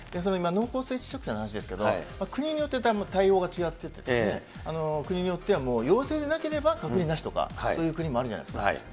今、濃厚接触者の話ですけれども、国によって対応が違ってて、国によっては、陽性でなければ隔離なしとか、そういう国もあるじゃないですか。